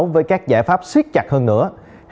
với các giải pháp siết chặt hơn nữa